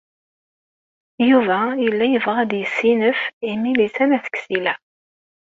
Yuba yella yebɣa ad yessinef i Milisa n At Ksila.